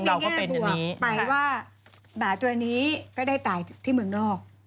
ในแง่บวกไปว่าหมาตัวนี้ก็ได้ตายที่เมืองนอก